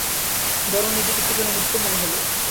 বরং নিজেকে একটু যেন মুক্ত মনে হল।